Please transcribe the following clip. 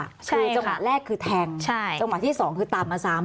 คือจังหวะแรกคือแทงจังหวะที่สองคือตามมาซ้ำ